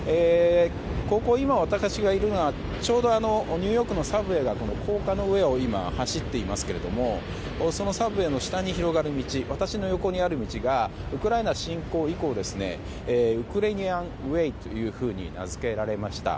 ここ、私が今いるのはちょうどニューヨークのサブウェーが高架の上を今、走っていますけどもそのサブウェーの下に広がる町がウクライナ侵攻以降ウクライナ・ウェイと名づけられました。